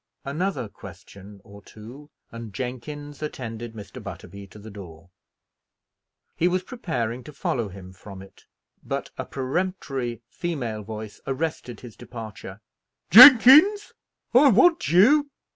Another question or two, and Jenkins attended Mr. Butterby to the door. He was preparing to follow him from it, but a peremptory female voice arrested his departure. "Jenkins, I want you."